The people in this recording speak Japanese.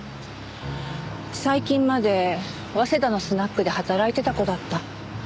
最近まで早稲田のスナックで働いてた子だった。